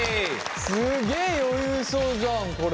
すっげえ余裕そうじゃんこれ。